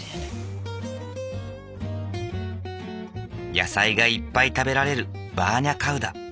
野菜がいっぱい食べられるバーニャカウダ。